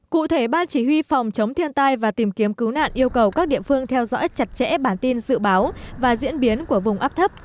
cụ thể ban chỉ huy phòng chống thiên tai và tìm kiếm cứu nạn yêu cầu các địa phương theo dõi chặt chẽ bản tin dự báo và diễn biến của vùng áp thấp